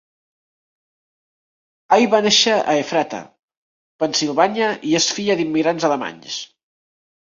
Ay va néixer a Efrata, Pennsilvània i és filla d'immigrants alemanys.